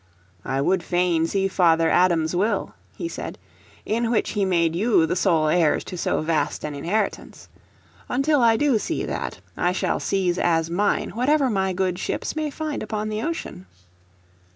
"I would fain see Father Adam's will," he said, "in which he made you the sole heirs to so vast an inheritance. Until I do see that, I shall seize as mine whatever my good ships may find upon the ocean.